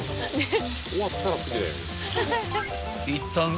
［いったん］